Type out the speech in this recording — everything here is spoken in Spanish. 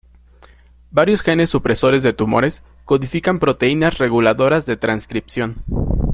Varios genes supresores de tumores codifican proteínas reguladoras de transcripción.